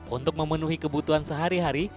untuk memenuhi kebutuhan sehari hari